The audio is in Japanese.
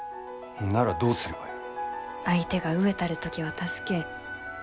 ならどうすればよい。